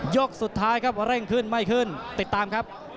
ยกสุดท้ายครับเร่งขึ้นไม่ขึ้นติดตามครับ